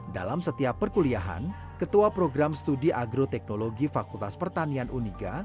dalam setiap perkuliahan ketua program studi agroteknologi fakultas pertanian uniga